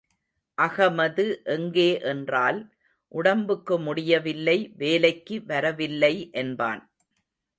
அகமது எங்கே என்றால், உடம்புக்கு முடியவில்லை, வேலைக்கு வரவில்லை என்பான்.